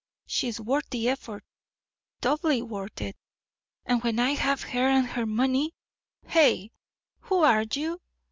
She's worth the effort, doubly worth it, and when I have her and her money Eh! Who are you?"